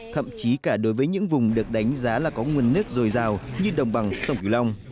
thậm chí cả đối với những vùng được đánh giá là có nguồn nước dồi dào như đông băng sông kiểu long